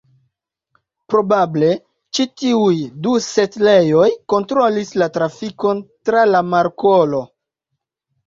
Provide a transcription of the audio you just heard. Probable, ĉi tiuj du setlejoj kontrolis la trafikon tra la markolo.